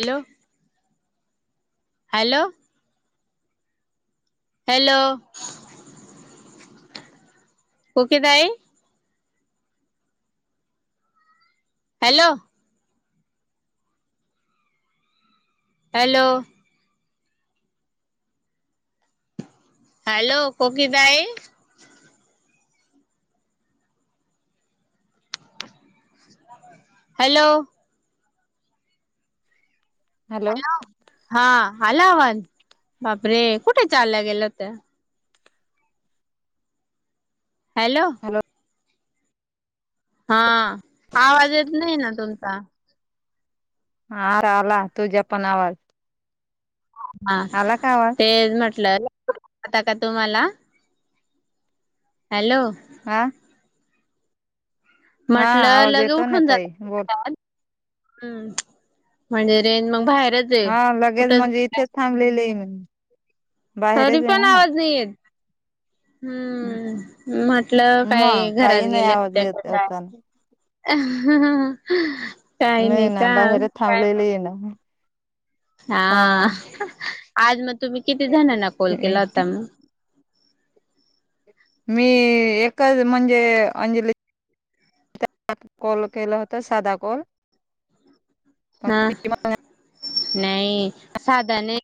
Hello. Hello. Hello. Koki ताई. Hello. Hello. Hello Koki ताई. Hello. Hello हा आला आवाज बापरे कुठे चाल्या गेल्या होत्या. हॅलो. हा आवाज येत नाही ना तुमचा. हारा आला तुझ्या पण आवाज. हा आला का आवाज ते म्हटलं [unintelligible] का तुम्हाला. हॅलो. आ. म्हटलं आवाज लगे येतो ना उठून ताई जाता बोल का? [unintelligible] हम्म म्हणजे रेज म बाहेर हा लगेच म्हणजे इथेच थांबलेलीय मी तरी बाहेरेच पण ना. आवाज नाही येत हम्म म्हटलं मग काय घरात काही नाही गेले आवाज होत्या का येत काय? होता काही नाही ना का बाहेरच काय? थांबलेली आहे ना हा आज मग तुम्ही किती जणांना कॉल केला होता मग मी एकच म्हणजे अंजली कॉल केलं होतं साधदा कॉल हा नाही साध नाही.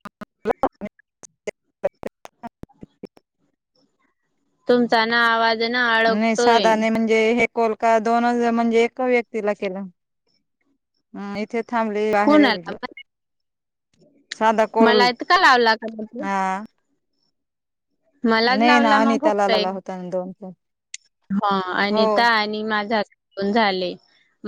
तुमचा ना आवाज ना नाही अडकतोय साधा नाही म्हणजे हे. कोलका दोन म्हणजे एक व्यक्तीला केला इथे. फॅमली बाहेर कोणाला दे. सादा कल मला इतका लावला का मग ह मलाच नाही लावला ना अनिताला लाला होता दोन च. ह अनिता आणि माझन झाले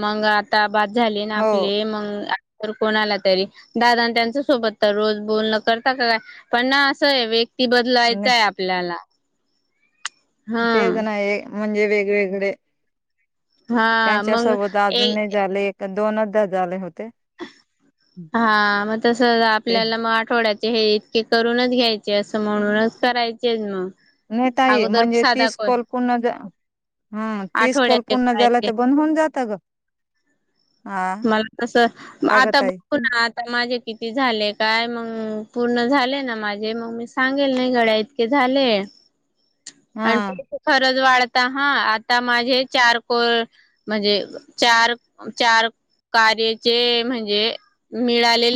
मग आता बाद झाले ना आपले हो मग कोणा आला तरी दादा त्यांच्या सोबत तर रोज बोलण करता का काय पण ना असं आहे व ती नाही बदलायचय आपल्याला हा ते जण आहे म्हणजे वेगवेगळे हा त्यांच्या मग सोबत ए अजून नाही झाले दोनदा झाले होते. हा मग तस ते आपल्याला मग आठवड्याचे हे इतके करूनच घ्यायचे. असं म्हणूनच करायचे मग नाही ताई अगोदर साधा कर. हम ती स्कॉल पूर्ण झाला करायचे तर बंद होऊन जात ग. हा मला तस का ग आता ताई बघू ना आता माझे किती झाले काय मग? हम् पूर्ण झाले ना माझे मग मी सांगेल नाही गड्या इतके झाले. हा आणि खरच वाढत. आता हा आता माझे चार को म्हणजे चार चार कार्याचे म्हणजे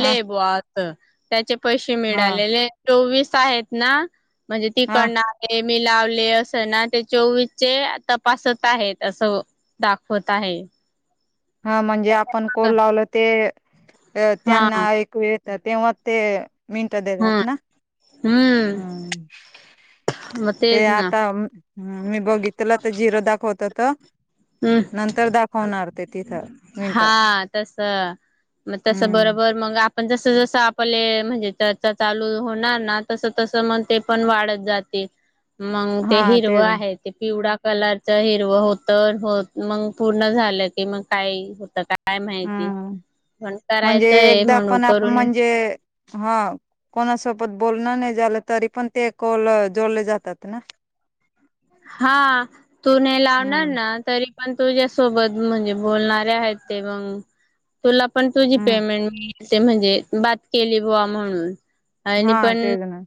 हा त्याचे पैस हा मिळाले चोविस आहेत ना म्हणजे हा तिकडेन. मले लावले अस ना ते चोवीस चे तपासत आहेत असं. दाखवत आहे. हा म्हणजे आपण कोण लावल ते अ हा त्यांना एक येत तेव्हा ते मिनटं देतात हा ना. हम्म मग ते तेच ना आता. हम् मी बघितलं तर झिरो दाखवत होत हम्म. नंतर दाखवणार ते तिथं. मिनट हा तस मग तस हम्म बरोबर मग. पण जस जसं आपले म्हणजे चर्चा चालू होणार ना तस तस मग ते पण वाढत जाते. मग ते हिरव आहे ते पिवळा कलरच हिरव होत हो मग पूर्ण झालं की मग काय होत का? काय माहिती? हम्म पण म्हणजे करायचंय एकदा म्हणून पण आप करून म्हणजे हा कोणास पद्. बोलण नाही झालं तरी पण ते कोल जोडले जातात ना. हा तू न लावणार हम्म ना तरी पण तुझ्यासोबत म्हणजे बोलणारे आहेत ते मग तुला पण तुझी हम्म पेमेंट मि ते म्हणजे बात केली बुवा म्हणून आणि हा पण तेच ना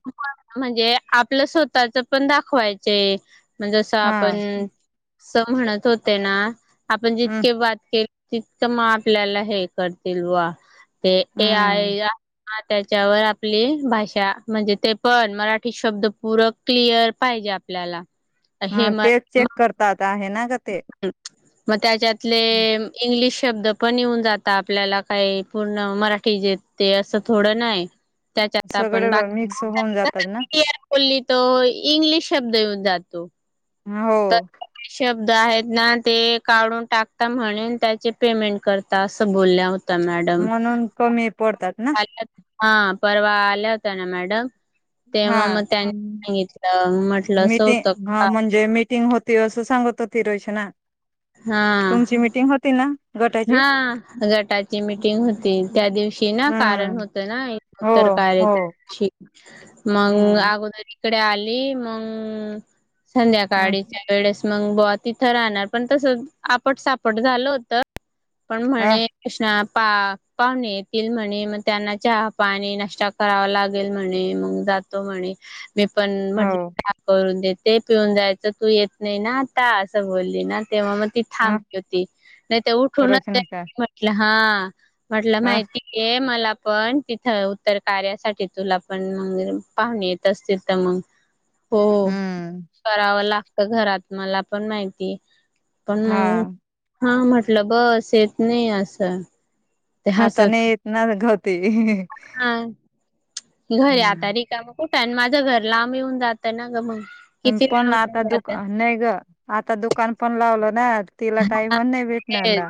म्हणजे आपलं स्वतःच पण दाखवायचण जस हा आपण. अस म्हणत होते ना आपण हम्म जितके बात केली. तितकं मग आपल्याला हे करतील वा ते ए हम्म आय. हा त्याच्यावर आपली भाषा म्हणजे ते पण मराठी शब्द पूर क्लिअर पाहिजे. आपल्याला हे हा म तेच चेक करतात आहे ना का ते. मग त्याच्यातले इंग्लि शब्द पण येऊन जातात आपल्याला काही पूर्ण मराठी जेत ते असं थोडं नाही. त्याच्यात आपली सगळे मिक्स होऊन जातात ना तो इंग्लिश शब्द येऊन जातो हो तर शब्द आहेत ना ते काढून टाकता म्हणून त्याचे पेमेंट करता असं बोलल्या होत मॅडम म्हणून कमी पडतात ना हा परवा आल्या होत ना मॅडम हा तेव्हा मग त्यानी हम्म सांगितलं म्हटलं स होत का ती असं सांगत होती रचना हा तुमची मिटिंग होती ना गटाची हा गटाची मिटिंग होती त्या दिवशी ना कारण हम्म होतं ना हो तर हो त्याची मग हम्म अगोदर इकडे आली मग हम्म संध्याकाळीच्या वेळेस मग ब तिथं राहणार पण तसं आपट सापट झालं होत पण अ म्हणे पा पाहुणे येतील म्हणे मग त्यांना चहा पाणी नाष्ट करावा लागेल म्हणे मग [unintelligible] मी पण हो म्हटलं करून देते पिऊन जायचं तू येत नाही ना आता असं बोलली ना तेव्हा मग ती अ थांबली होती नाही ते उठूनच रोशन का म्हटलं हा म्हटलं अ माहिती आहे मला पण तिथं उत्तर कार्यासाठी तुला पण पाहुणे येत असतील तर मग हो हम्म करावं लागतं घरात मला पण माहिती पण हा मग हा म्हटलं बस येत नाही असं ते आता हसत नाही येत ना गवती हा घरी आता र काा मग कुठं आणि माझं घर लांब येऊन जातं ना ग मग. किती पण आता लांब दुका नाही ग आता दुकान पण लावलं ना. तिला टाइम नाही भेटणार ना.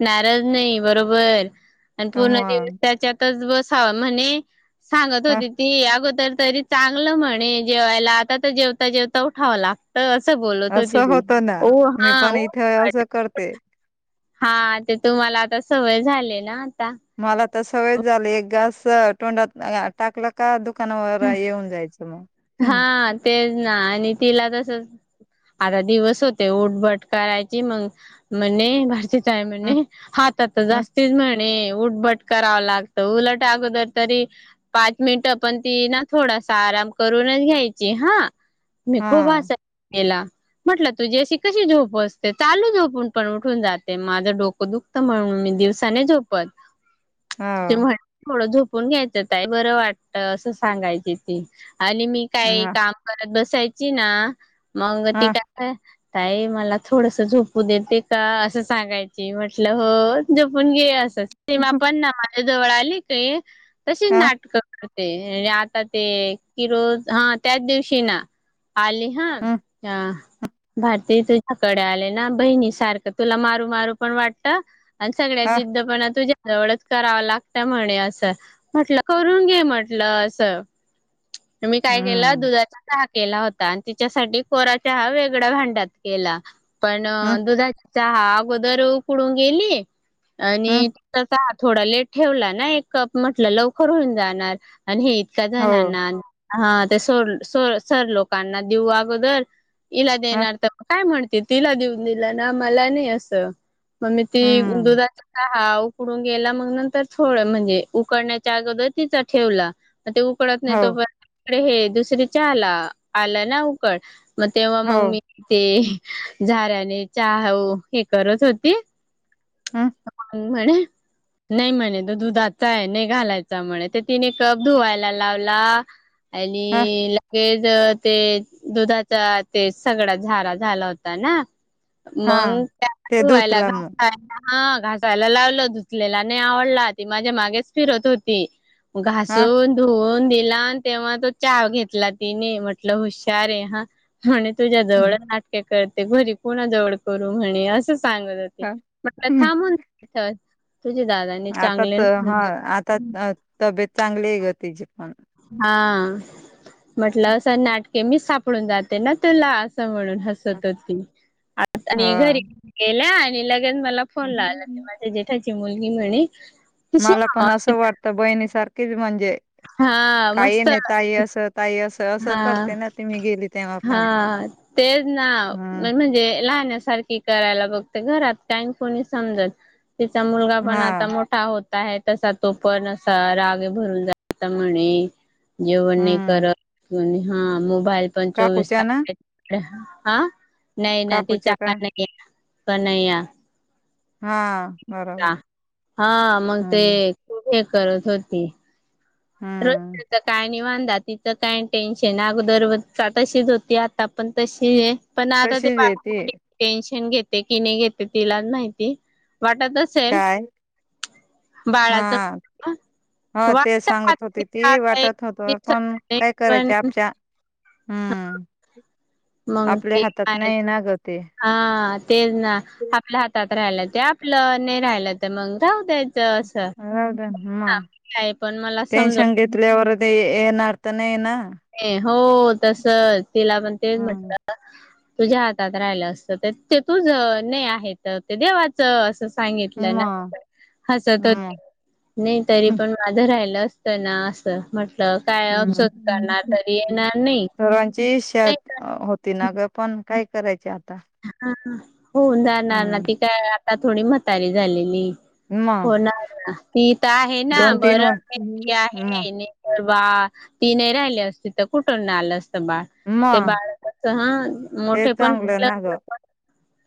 नारज नाही बरोबर आणि पूर्ण मग दिवसाच्यातच बस म्हणे. सांगत होते ती अग तर तरी चांगलं म्हणे जेवायला आता तर जेवता जेवता उठाव लागतं. कसं बोलत हो वो हा वो. अस करते. हा ते तुम्हाला आता सवय झाली ना. आता मला तर सवय झाली एक घास तोंडात टाकलं का दु. दुकान वगैरे येऊन जायचं मग. हम्म हा तेच ना आणि तिला तस. आता दिवस होते उठबट करायची मग म्हण भरती. हात हम्म जास् उठभट कराव लागत उलट अगोदर तरी पाच मिनट पण ती ना थोड असा आराम करूनच घ्यायची हा मी खूप हा हसायची तिला. म्हटलं तुझी अशी कशी झोप असते चालू झोपून पण उठून जाते माझं डोकं दुखतं म्हणून. दिवसाने झोपत. ते हो म्हण थोडं झोपून घ्यायचं काय बरं वाटत असं सांगायची ती. आणि मी काही हा काम करत बसायची ना मग ती हा काय. ताई मला थोडस झोपू देते का असं सांगायची म्हटलं हो झोपून घे अस. सीमा पण ना माझ्या जवळ आली काय तशीच ह नाटक. तेे आता ते कि रोज हा त्याच दिवशी ना. आली हा हम्म अ भारती तु. कडे आले ना बहिणी सारखं तुला मारू मारू पण वाटत आणि सगळ्यात ह जिद्द पणा तुझ्या जवढच करावं लागतं म्हणे असं म्हटलं करून घे म्हटलं अस. मी काय केलं हम्म दुधाचा. केला होता आणि त्यािच्यासाठी कोरा च हा वेगळ्या भांड्यात केला पण हम्म दुधा चहा अगोदर उडून गेली आणि हम्म त थोडा लेट ठेवला ना, एक कप म्हटलं लवकर होऊन जाणार आणि हे इतका हो जणांना हा ते सोड स सर लोकांना दिऊ अगोदर, इला ह देणार तर काय म्हणते तिला देऊन दिला ना मला नाही असं. मग मी ती हम्म दुधाचा चहा हा उकडून गेला मग, नंतर थोड म्हणजे उकडण्याच्या अगोदर तिचा ठेवला. ते उकडत नाही हो तोप [unintelligible] हे दुसर चहाला आला ना उकळ. मग तेव्हा हो मग मी ते, झाऱ्याने चहा उ हे करत होती. हम्म म्हणे नाही म्हणे तो दुधाचाय, नाही घालायचा म्हणे, ते तीने कप धुवायला लावला ह आणि लगेच त ते दुधाचा, ते सगळा झारा झाला होता ना हा मग ते त्याला धुवायला, धुतला मग घासयला. हा घासायला लावलं, धूतलेला नाही आवडला. ती माझ्या मागेच फिरत होती. हा घासून, धुऊन दिला आणि तेव्हा तो चा घेतला तिने. म्हटलं हुशारय हा. म्हने तुझ्या जवळ नाटके करते, घरी कुणा जवळ करू म्हणे. असं सांगत होती [unintelligible] दादानी आता चांगले तर हा, आता अ तब्येत चांगलीय ग तीची पण. हा म्हटलं असं नाटके, मी सापडून जाते ना तुला. मनून हसत होती. आत आणि हा घरी गेल्या आणि ल मला फोन लावला, माझ्या जेठाची मुलगी म्हणे कशी मला पण मावशी असं वाटतं, बहिणी सारखीच म्हणजे हा काही मस्त नाही ताई असं, ताई असं असं हा, करते ना ती मी गेली तेव्हा हा पण तेच ना, हम्म म्हणजे लहण्यासारख करायला बघते. घरात का कोणी समजत. तिचा मुलगा पण हा आता मोठा हो आहे तसा तो पण असा, रागे भरून जात म्हणे. जेवण नाई हम्म करत. हा मोबाईल पण काकूच्या ना चोवीसतास [unintelligible] आ नाही ना, काकूच्या का [unintelligible] नाही या हा बरोबर [unintelligible] हा मग ते हम्म हे करत होती. र हम्म [unintelligible] काय? निवांत तिचं काय टेन्शन, अगोदर तशीच होती, आता पण तशीय. पण आता ते तशीच बा आहे ती [unintelligible] टेन्शन घेते की नाही घेते तिला माहिती. वाटत असेल, काय [unintelligible] बाळाच हा [unintelligible] हो ते वाट सांगत होती ती, वाटत होत पण, काय करायचे पण आपच्या, हम्म मग आपल्या ते हातात नाही ना ग ते. हा तेच ना, आपल्या हातात राहायला ते आपलं. नाही राहियलं तर मंग राहू त्याच अस राहू [unintelligible] आहे, पण मला अस सांगितल्यावर ते येणार तर नाही ना? हो तस, तिला पण तेच हम्म म्हटलं. तुझ्या हातात राहिलं असतं ते ते तुझ, नाही आहे तर ते देवाचं अस सांगितलं मग [unintelligible] हसत होती. हम्म नाही तरी पण माझं राहिलं अस ना असं. म्हटल काय औषधं करणार हम्म तरी येणार नाही. सर्वांची नाही का [unintelligible] होती ना ग पण काय करायचे? होऊन जाणार ना, हम्म ती काय आता थोडी म्हतारी झालेली? मग होणार ना. ती इथ आहे ना दोन तीन बरं व आहे. ती म आहे नाही तर हा ती नाही राहिली असती तर, कुठून न आलं अस बाळ, ते मग बाळ कसं मोठे पण कुठल्या हो [unintelligible]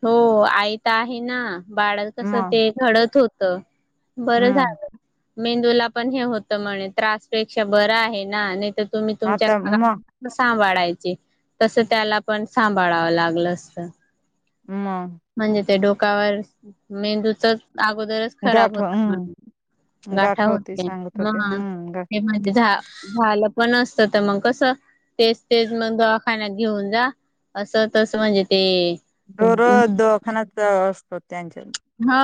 हो आई तर आहे ना. बाळत कस मग ते घडत होत, बरं हम्म झालं. मेंदूला पण हे होत म्हणे, त्रासपेक्षा बरं आहे ना नाही तर तुम्ही तुमच्या आता मग सांभाळायचे तस त्याला पण सांभाळावं लागल मग म्हणजे ते डोकावर मेंदूच अगोदरच खराब गाठ होता म्हण हम्म गाठ गाठा होती होत सांगत होते म हम्म गा तेमध्ये झालं पण असत मग कस तेच तेच मग दवाखान्यात घेऊन जा असं तस म्हणजे ते दर दवाखान्यात असतो त्यांच्या ह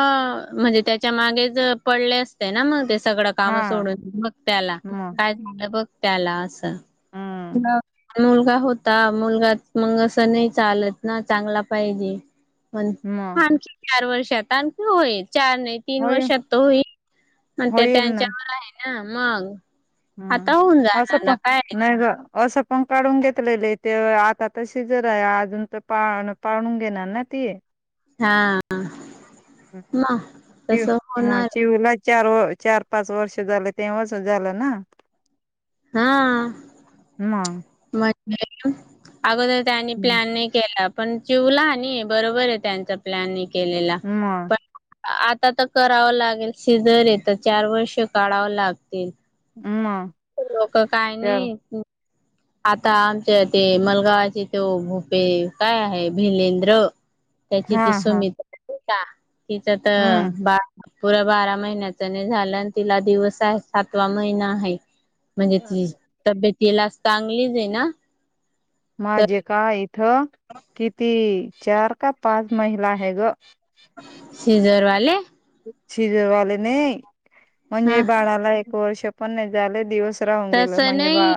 म्हणजे त्याच्या मागेच पडले असते ना मग सगळं काम हा सोडून बघ त्या्याला मग काय झालं बघ त्या्याला असं हम्म ना मुलगा होता मुलगा मग असं नाही चालत ना चांगला पाहिजे मण मग आणखी चार वर्षात आणखी होयच चार नाही तीन होय वर्षात त होई मण ते होईल ना त्यांच्यावर आहे ना मग आता होऊन हम्म असं जाणार प ना काय नाही ग असं पण काढून घेतलेलं ते आता त शिजर आहे अजून तर पा पाळून घेणार ना तेे हा मग तस म होणार चिव ला चार व चार पाच वर्ष झालं तेव्हाच झालं ना हा मग अगोदर त्यांनी हम्म. प्लॅन नाही केला पण चिवला नि बरोबर आहे त्यांचा प्लॅन केलेला मग पण आता तर करावं लागेल सिजर य तर चार वर्ष काढावं लागतील हम् लोक काय नाही आता आमच्या ते मलगावाचे तो भूपे काय आहे भिलेंद्र त्याची हा ती सु हा मित्र ठी तिचं तर हम्म बा पुर्या बारा महिन्याच नाही झालं आणि तिला दिवस आहे सातवा महिना आहे म्हणजे ती तब्येत लाज चांगलीच आहे ना तर माझे का इथं किती चार का पाच महिला ह ग सीजरवाले शिजरवाले नाही म्हणजे हा बाळाला एक वर्ष पण झाले दिवस हून गेलं तसं म्हणजे नाही बा